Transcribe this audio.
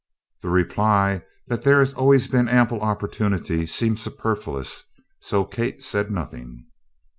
The reply that there always had been ample opportunity seemed superfluous, so Kate said nothing.